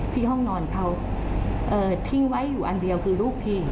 ที่ห้องนอนเขาทิ้งไว้อยู่อันเดียวคือรูปทีม